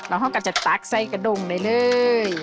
เราข้ากันจะตั๊กใส่กระดงได้เลย